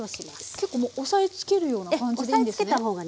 結構もう押さえつけるような感じでいいんですね？